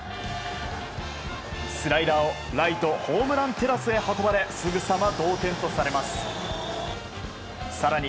スライダーをライトホームランテラスへ運ばれすぐさま同点とされます。